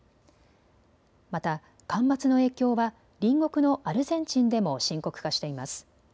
また干ばつの影響は隣国のアルゼンチンでも深刻化しています。